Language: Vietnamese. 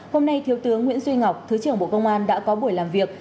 hôm nay thiếu tướng nguyễn duy ngọc thứ trưởng bộ công an đã có buổi làm việc